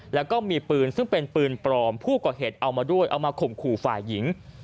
แล้วก็มีปืนซึ่งเป็นปืนปลอมผู้ก่อเหตุเอามาด้วยเอามาข่มขู่ฝ่ายหญิง